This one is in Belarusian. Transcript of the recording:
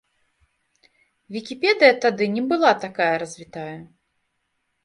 Вікіпедыя тады не была такая развітая.